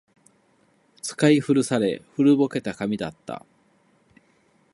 使い古され、古ぼけた紙だった